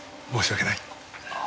申し訳ない。